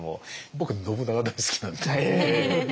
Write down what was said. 僕信長大好きなんで。